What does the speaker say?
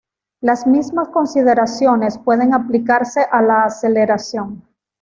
Las mismas consideraciones pueden aplicarse a la aceleración.